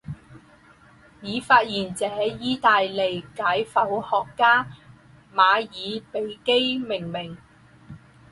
以发现者意大利解剖学家马尔比基命名。